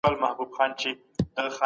سترګي زغملای نسي